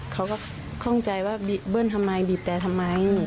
ข้องใจว่าเบิ้ลทำไมบีบแต่ทำไม